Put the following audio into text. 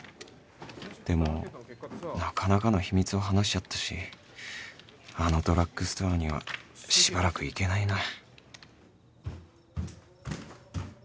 でもなかなかの秘密を話しちゃったしあのドラッグストアにはしばらく行けないな